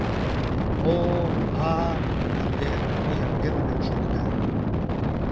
— О-о — а-а!.. — ынде ойыртемынак шокта.